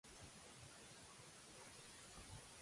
Després, Heemeyer es va suïcidar amb una pistola.